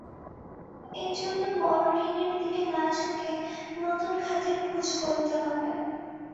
এ জন্য বড় ঋণের দিকে না ঝুঁকে নতুন খাতের খোঁজ করতে হবে।